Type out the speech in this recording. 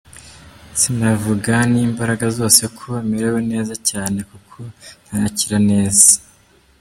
Sinavuga n’imbaraga zose ko merewe neza cyane, kuko ntarakira neza.